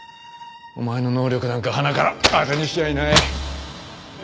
お前の能力なんかはなからあてにしちゃいない。